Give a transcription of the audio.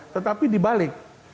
tetapi di balik